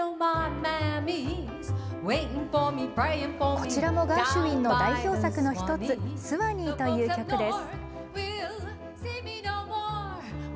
こちらもガーシュウィンの代表作の１つ「ＳＷＡＮＥＥ」という曲です。